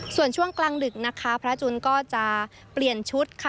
ส่วนช่วงกลางดึกพระจูนก็จะเปลี่ยนชุด